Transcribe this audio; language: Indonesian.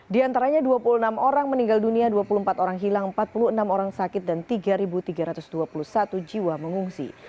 di antaranya dua puluh enam orang meninggal dunia dua puluh empat orang hilang empat puluh enam orang sakit dan tiga tiga ratus dua puluh satu jiwa mengungsi